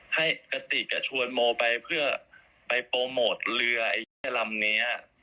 ให้กระติกชวนโมไปเพื่อไปโปรโมทเรือไอ้แค่ลำนี้